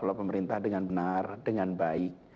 kalau pemerintah dengan benar dengan baik